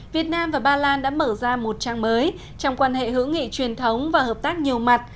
việt nam và ba lan đã mở ra một trang mới trong quan hệ hữu nghị truyền thống và hợp tác nhiều mặt